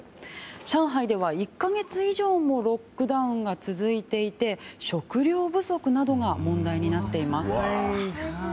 上海では１か月以上もロックダウンが続いていて食料不足などが問題になっています。